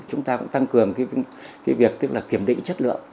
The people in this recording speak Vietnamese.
chúng ta cũng tăng cường cái việc kiểm định chất lượng